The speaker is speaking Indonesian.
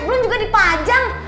belum juga dipajang